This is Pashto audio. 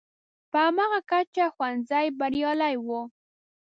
په هماغه کچه ښوونځی بریالی وي.